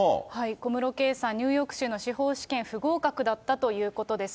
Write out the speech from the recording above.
小室圭さん、ニューヨーク州の司法試験、不合格だったということです。